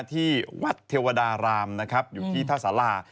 ที่วัดเทวดารามนะครับอยู่ที่ท่าสารา